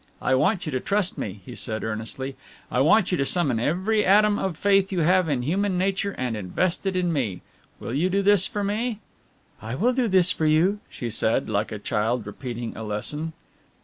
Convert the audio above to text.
I want you to trust me," he said earnestly. "I want you to summon every atom of faith you have in human nature and invest it in me. Will you do this for me?" "I will do this for you," she said, like a child repeating a lesson.